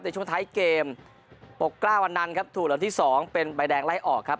ในช่วงท้ายเกมปกกล้าวันนั้นครับถูกลำที่๒เป็นใบแดงไล่ออกครับ